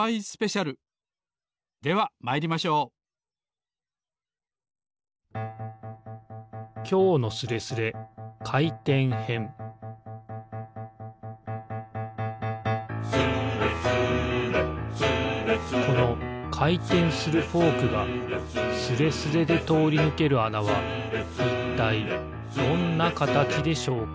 ではまいりましょう「スレスレスレスレ」このかいてんするフォークがスレスレでとおりぬけるあなはいったいどんなかたちでしょうか？